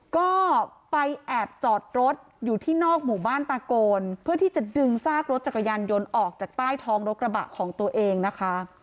ก็ไปแอบจอดรถอยู่ที่นอกหมู่บ้านตะโกนเพื่อที่จะดึงซากรถจักรยานยนต์ออกจากใต้ท้องรถกระบะของตัวเองนะคะ